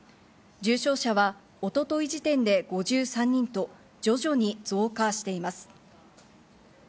重症者は一昨日時点で５３人と徐々に増加しています。